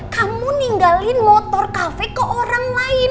kamu ninggalin motor cafe ke orang lain